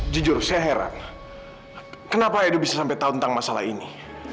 jujur saya heran kenapa edo bisa sampai tahu tentang masalah ini